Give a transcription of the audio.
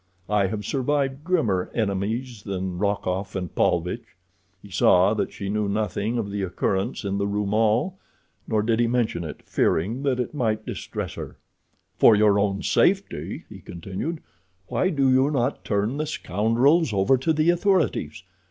"I have survived grimmer enemies than Rokoff and Paulvitch." He saw that she knew nothing of the occurrence in the Rue Maule, nor did he mention it, fearing that it might distress her. "For your own safety," he continued, "why do you not turn the scoundrels over to the authorities?